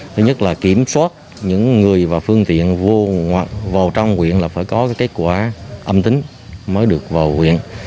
thứ nhất là kiểm soát những người và phương tiện vô vào trong quyện là phải có kết quả âm tính mới được vào huyện